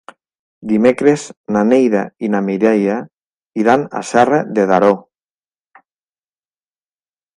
Dimecres na Neida i na Mireia iran a Serra de Daró.